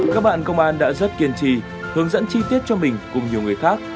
các bạn công an đã rất kiên trì hướng dẫn chi tiết cho mình cùng nhiều người khác